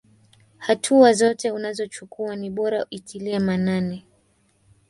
Hatua zote unazochukuwa ni bora itilie maanani.